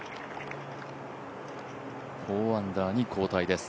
４アンダーに後退です。